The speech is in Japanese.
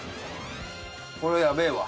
これやべえわ。